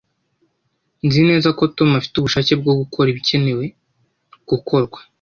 Nzi neza ko Tom afite ubushake bwo gukora ibikenewe gukorwa